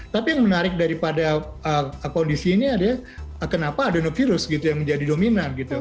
tapi yang menarik daripada kondisi ini adalah kenapa adenovirus gitu yang menjadi dominan gitu